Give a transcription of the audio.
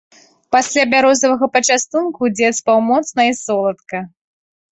Пасля бярозавага пачастунку дзед спаў моцна і соладка.